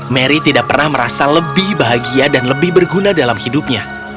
mary tidak pernah merasa lebih bahagia dan lebih berguna dalam hidupnya